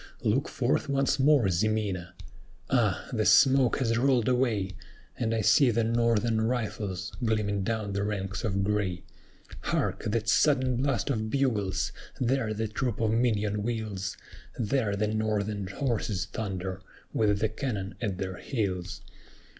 Look forth once more, Ximena! "Ah! the smoke has rolled away; And I see the Northern rifles gleaming down the ranks of gray. Hark! that sudden blast of bugles! there the troop of Minon wheels; There the Northern horses thunder, with the cannon at their heels.